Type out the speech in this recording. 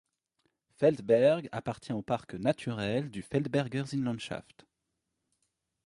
Feldberg appartient au parc naturel du Feldberger Seenlandschaft.